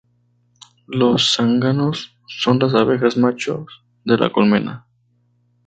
Los zánganos son las abejas macho de la colonia.